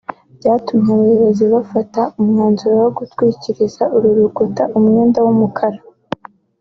byatumye abayobozi bafata umwanzuro wo gutwikiriza uru rukuta umwenda w’umukara